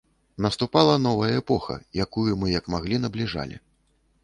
Наступала новая эпоха, якую мы як маглі набліжалі.